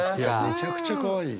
めちゃくちゃかわいい。